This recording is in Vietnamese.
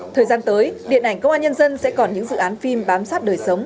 thời gian tới điện ảnh công an nhân dân sẽ còn những dự án phim bám sát đời sống